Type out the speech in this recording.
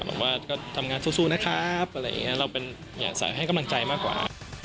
บอกว่าทำงานสู้นะครับอะไรอย่างนี้เราเป็นเหยียดสายให้กำลังใจมากกว่า